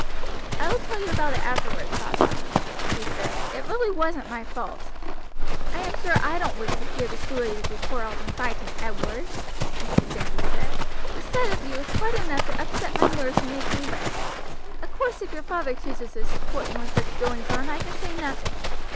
"I will tell you about it afterward, father," he said; "it really wasn't my fault." "I am sure I don't wish to hear the story of your quarrels and fighting, Edward," Mrs. Sankey said; "the sight of you is quite enough to upset my nerves and make me wretched. Of course if your father chooses to support you in such goings on I can say nothing.